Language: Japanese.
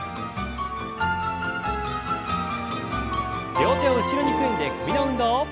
両手を後ろに組んで首の運動。